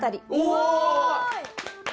お！